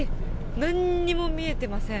なんにも見えてません。